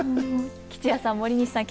吉弥さん森西さん